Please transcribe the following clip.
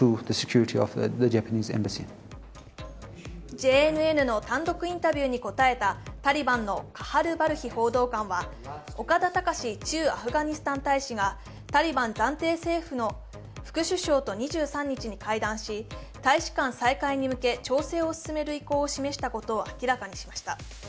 ＪＮＮの単独インタビューに答えたタリバンのカハル・バルヒ報道官は岡田隆駐アフガニスタン大使がタリバン暫定政府の副首相と２３日に会談し、大使館再開に向け調整を進める意向を示したことを明らかにしました。